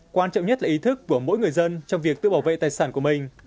quan trọng nhất là ý thức của mỗi người dân trong việc tự bảo vệ tài sản của mình